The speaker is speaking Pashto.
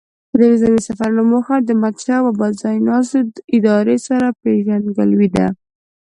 د نظامي سفرونو موخو او د احمدشاه بابا ځای ناستو ادارې سره پیژندګلوي ده.